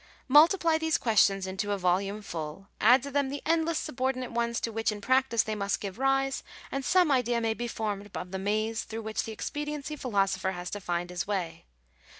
Multiply these questions into a volume full ; add to them the endless subordinate ones to which in practice they must give rise ; and some idea may be formed of the maze through which the expediency philosopher has to find his way.